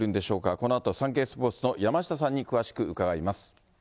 このあとサンケイスポーツの山下さんに詳しく伺います。